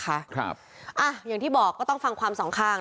อย่างที่บอกก็ต้องฟังความสองข้าง